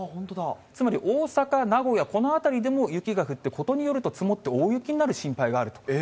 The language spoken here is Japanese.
つまり大阪、名古屋、この辺りでも雪が降って、ことによると積もって、大雪になる心配があると。